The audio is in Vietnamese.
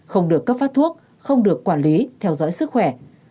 không được cấp phát thuốc không được quản lý theo dõi sức khỏe